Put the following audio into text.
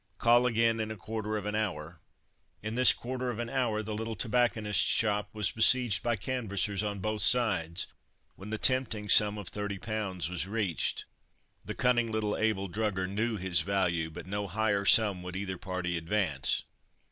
"Call again in a quarter of an hour." In this quarter of an hour the little tobacconist's shop was besieged by canvassers on both sides, when the tempting sum of 30 pounds was reached. The cunning little Abel Drugger knew his value, but no higher sum would either party advance.